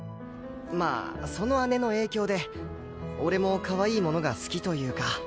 まあその姉の影響で俺もかわいいものが好きというか。